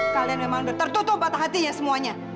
kalian memang tertutup patah hatinya semuanya